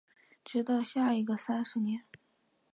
直到下一个三十年